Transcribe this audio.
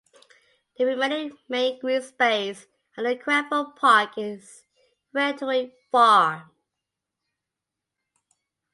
The remaining main green space other than Cranford Park is Rectory Farm.